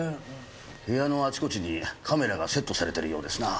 部屋のあちこちにカメラがセットされてるようですな。